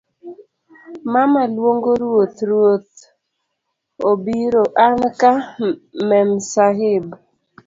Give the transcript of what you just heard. mama luongo ruoth ruoth. obiro anka Memsahib.